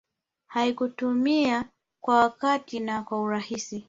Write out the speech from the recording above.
haikutimia kwa wakati na kwa urahisi